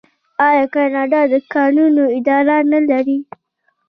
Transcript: آیا کاناډا د کانونو اداره نلري؟